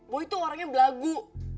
boy itu orangnya belagu